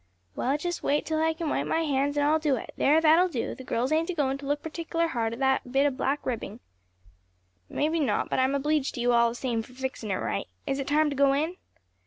"Well, just wait till I can wipe my hands, and I'll do it. There, that'll do; the girls ain't agoin' to look partickler hard at that bit o' black ribbing." "Maybe not, but I'm obleeged to you all the same for fixin' it right. Is it time to go in?"